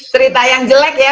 cerita yang jelek ya